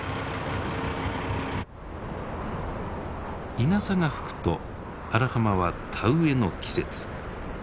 イナサが吹くと荒浜は田植えの季節。